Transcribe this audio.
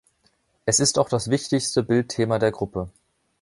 Es ist auch das wichtigste Bildthema der Gruppe.